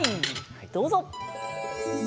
どうぞ。